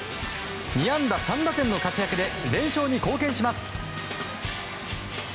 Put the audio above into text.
２安打３打点の活躍で連勝に貢献します。